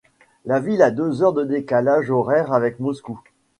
La ville a deux heures de décalage horaire avec Moscou.